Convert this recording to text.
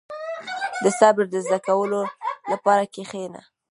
• د صبر د زده کولو لپاره کښېنه.